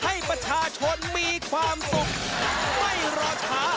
ทำให้ประชาชนมีความสุขไม่รอดค่ะ